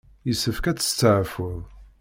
Yessefk ad testeɛfuḍ.